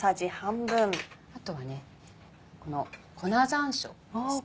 あとはこの粉山椒ですね。